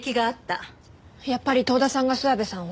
やっぱり遠田さんが諏訪部さんを？